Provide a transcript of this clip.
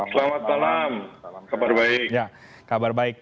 selamat malam kabar baik